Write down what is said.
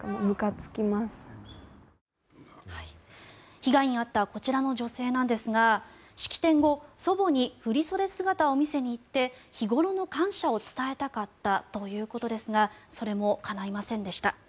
被害に遭ったこちらの女性なんですが式典後、祖母に振り袖姿を見せに行って日頃の感謝を伝えたかったということですがそれも叶いませんでした。